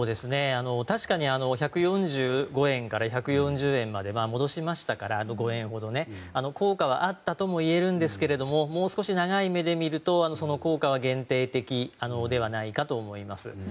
確かに１４５円から１４０円までは５円ほど戻しましたから効果はあったといえるんですがもう少し長い目で見るとその効果は限定的ではないかと思います。